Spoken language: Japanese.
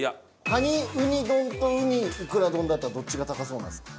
かに・うに丼とうに・いくら丼だったらどっちが高そうなんですか？